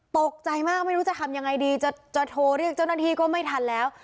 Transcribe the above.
ตกใจมากไม่รู้จะทำยังไงดีจะโทรเรียกเจ้าหน้าที่ก็ไม่ทันแล้ว